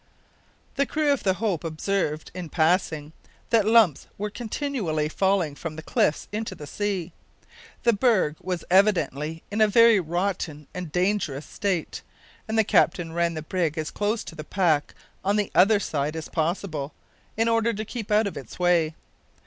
The crew of the Hope observed, in passing, that lumps were continually falling from the cliffs into the sea. The berg was evidently in a very rotten and dangerous state, and the captain ran the brig as close to the pack on the other side as possible, in order to keep out of its way.